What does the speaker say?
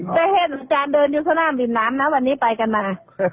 แต่เห็นอาจารย์เดินอยู่ข้างล่างริมน้ำนะวันนี้ไปกันมา